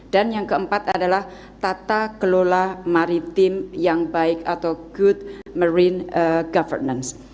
dan yang keempat adalah tata kelola maritim yang baik atau good marine governance